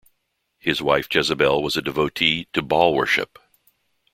His wife Jezebel was a devotee to Baal worship.